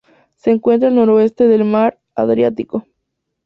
Se encuentra al noroeste del Mar Adriático.